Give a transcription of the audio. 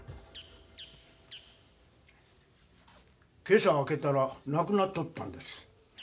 けさ開けたらなくなっとったんです。